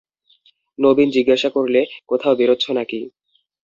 নবীন জিজ্ঞাসা করলে, কোথাও বেরোচ্ছ নাকি?